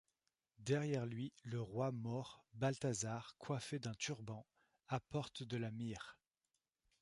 Derrière lui, le roi maure Balthazar, coiffé d’un turban, apporte de la myrrhe.